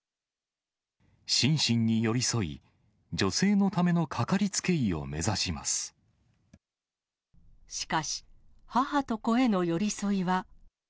心身に寄り添い、女性のためしかし、母と子への寄り添いは。